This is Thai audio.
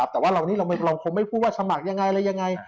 แต่ว่าเราคงไม่พูดว่าสมัครยังไง